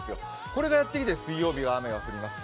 これがやってきて水曜日が雨降ります。